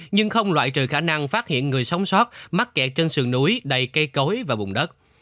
nhưng không loại trừ khả năng phát hiện người sống sót mắc kẹt trên sườn núi đầy cây cối và bùng đất